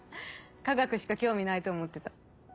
科学しか興味ないと思ってた。